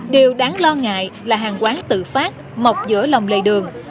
điều đáng lo ngại là hàng quán tự phát mọc giữa lòng lề đường